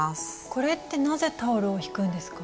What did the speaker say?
これってなぜタオルをひくんですか？